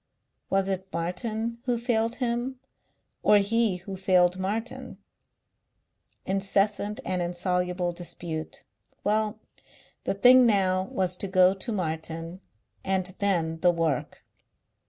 Was it Martin who failed him or he who failed Martin? Incessant and insoluble dispute. Well, the thing now was to go to Martin.... And then the work!